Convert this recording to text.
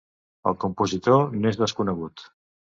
El compositor n'és desconegut.